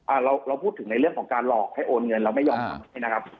เราเราพูดถึงในเรื่องของการหลอกให้โอนเงินเราไม่ยอมทำให้นะครับ